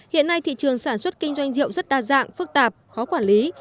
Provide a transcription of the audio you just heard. hiện nay thị trường sản xuất kinh doanh rượu rất đa dạng phức tạp khó quản lý